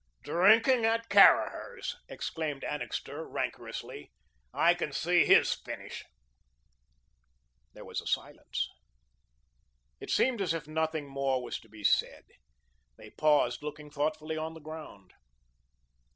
"Drinking at Caraher's," exclaimed Annixter, rancorously; "I can see HIS finish." There was a silence. It seemed as if nothing more was to be said. They paused, looking thoughtfully on the ground.